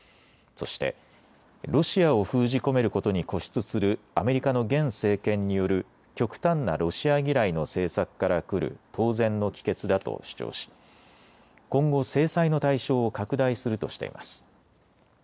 そしてロシアを封じ込めることに固執するアメリカの現政権による極端なロシア嫌いの政策からくる当然の帰結だと主張し今後、制裁の対象を拡大するとしています。